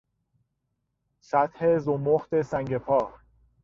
سطح زمخت سنگ پا